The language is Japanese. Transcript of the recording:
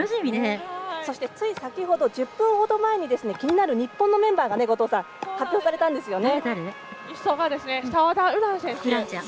そして、つい先ほど１０分ほど前に気になる日本のメンバーが後藤さん、発表されたんですよね。